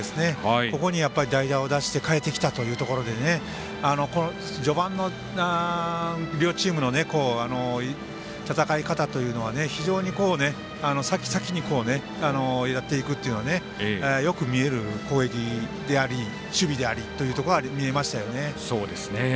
ここに代打を出して代えてきたというところで序盤の両チームの戦い方というのは非常に先、先にやっていくっていうよく見える攻撃であり守備でありというところが見えましたよね。